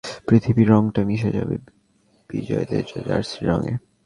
আগামী চার বছরের জন্য ফুটবলের পৃথিবীর রংটা মিশে যাবে বিজয়ীদের জার্সির রঙে।